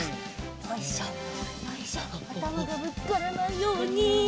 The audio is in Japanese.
よいしょよいしょあたまがぶつからないように。